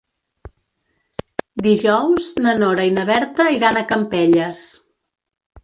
Dijous na Nora i na Berta iran a Campelles.